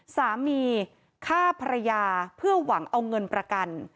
สามีฆ่าภรรยาเพื่อหวังเอาเงินประกัน